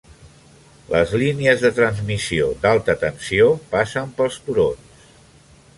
Les línies de transmissió d'alta tensió passen pels turons.